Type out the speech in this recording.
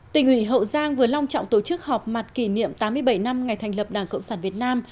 tỉnh ủy hậu giang vừa long trọng tổ chức họp mặt kỷ niệm tám mươi bảy năm ngày thành lập đảng cộng sản việt nam